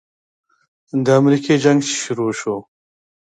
د امريکې جنگ چې شروع سو.